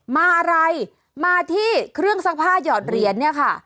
มาอะไรมาที่เครื่องซักผ้าหยอดเหรียญเนี่ยค่ะ